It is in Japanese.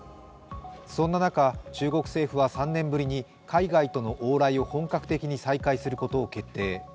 そんな中、中国政府は３年ぶりに海外との往来を本格的に再開することを決定。